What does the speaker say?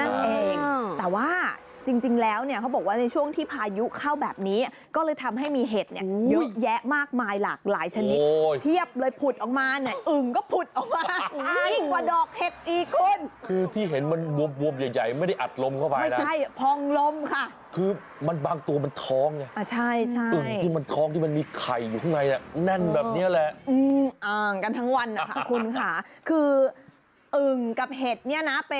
นั่นเองแต่ว่าจริงแล้วเขาบอกว่าในช่วงที่พายุเข้าแบบนี้ก็เลยทำให้มีเห็ดเยอะแยะมากมายหลากหลายชนิดเพียบเลยผุดออกมาอึ่งก็ผุดออกมาอีกกว่าดอกเห็ดอีกคุณคือที่เห็นมันบวบใหญ่ไม่ได้อัดล้มเข้าไปนะไม่ใช่พองล้มค่ะคือมันบางตัวมันท้องใช่อึ่งคือมันท้องที่มันมีไข่อยู่ข้างใ